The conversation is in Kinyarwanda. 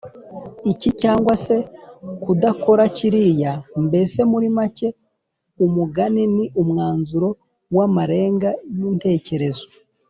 iki cyangwa se kudakora kiriya. mbese muri make umugani ni umwanzuro w’amarenga y’intekerezo.